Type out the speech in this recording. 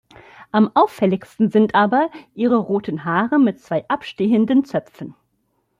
Am auffälligsten sind aber ihre roten Haare mit zwei abstehenden Zöpfen.